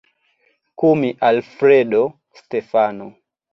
Kumi Alfredo Stefano